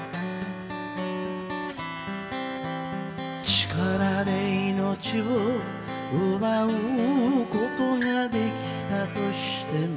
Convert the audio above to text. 「力で生命を奪う事が出来たとしても」